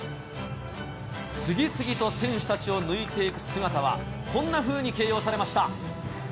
次々と選手たちを抜いていく姿は、こんなふうに形容されました。